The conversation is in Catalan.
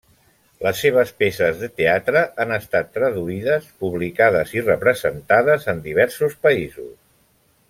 Les seves peces de teatre han estat traduïdes, publicades i representades en diversos països.